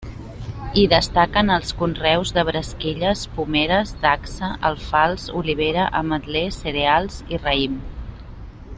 Hi destaquen els conreus de bresquilles, pomeres, dacsa, alfals, olivera, ametler, cereals i raïm.